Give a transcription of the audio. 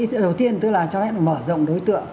tôi nghĩ đầu tiên tức là cho hết mở rộng đối tượng